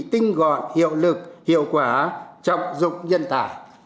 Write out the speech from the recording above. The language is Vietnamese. tinh gọn hiệu lực hiệu quả trọng dụng nhân tài